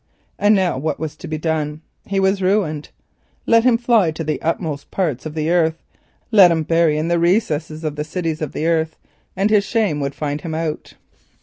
And now what was to be done? He was ruined. Let him fly to the utmost parts of the earth, let him burrow in the recesses of the cities of the earth, and his shame would find him out.